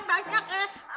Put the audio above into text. apanya yang banyak eh